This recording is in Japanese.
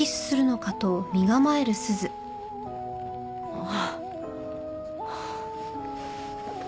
ああ。